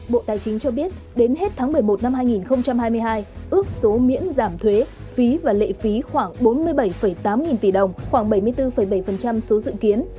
bộ tài chính cho biết đến hết tháng một mươi một năm hai nghìn hai mươi hai ước số miễn giảm thuế phí và lệ phí khoảng bốn mươi bảy tám nghìn tỷ đồng khoảng bảy mươi bốn bảy số dự kiến